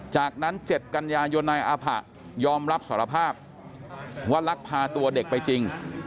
จากนั้น๗กันยายนนายอาผะยอมรับสารภาพว่าลักพาตัวเด็กไปจริง